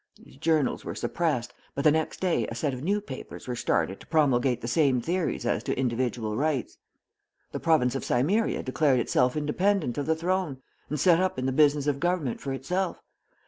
These journals were suppressed, but the next day a set of new papers were started to promulgate the same theories as to individual rights. The province of Cimmeria declared itself independent of the throne, and set up in the business of government for itself.